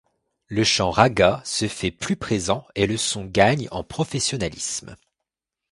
Le chant ragga se fait plus présent et le son gagne en professionnalisme.